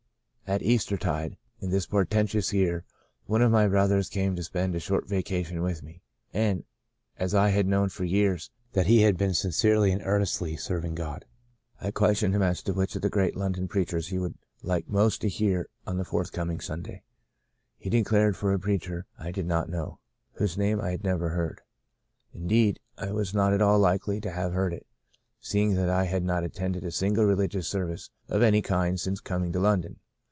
At Eastertide, in 176 The Second Spring this portentous year, one of my brothers came to spend a short vacation with me; and as I had known for years that he had been sincerely and earnestly serving God, I questioned him as to which of the great London preachers he would like most to hear on the forthcoming Sunday. He de clared for a preacher I did not know, whose name I had never heard. Indeed, I was not at all likely to have heard it, seeing that I had not attended a single religious service of any kind since coming to London.